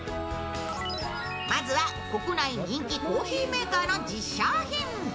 まずは国内人気コーヒーメーカーの１０商品。